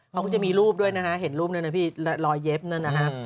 เขาก็จะมีรูปด้วยนะฮะเห็นรูปนั้นนะพี่รอยเย็บนั่นนะฮะ